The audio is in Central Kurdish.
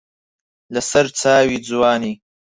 لە سەر چاوی جوانی